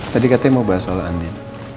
tadi katanya mau bahas soal aneh